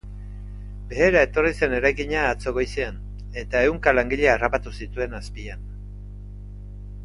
Behera etorri zen eraikina atzo goizean, eta ehunka langile harraptu zituen azpian.